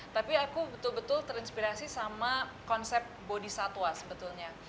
tapi aku betul betul terinspirasi sama konsep bodhisattva sebetulnya